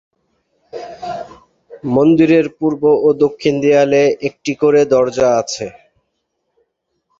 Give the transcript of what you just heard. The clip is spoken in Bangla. মন্দিরের পূর্ব ও দক্ষিণ দেয়ালে একটি করে দরজা আছে।